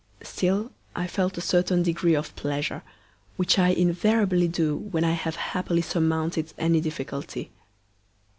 Still I felt a certain degree of pleasure, which I invariably do when I have happily surmounted any difficulty.